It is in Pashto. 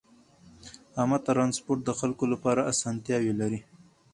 عامه ترانسپورت د خلکو لپاره اسانتیاوې لري.